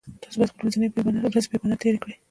تاسو باید خپلې ورځې په عبادت تیرې کړئ